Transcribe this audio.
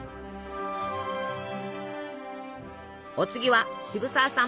お次は渋沢さん